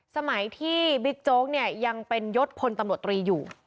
สมัยที่บิ๊กโจ๊กเนี่ยยังเป็นยศพลตำรวจตรีอยู่